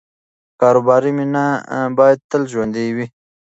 کاروباري مینه باید تل ژوندۍ وي.